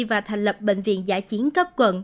và thành lập bệnh viện giải chiến cấp quận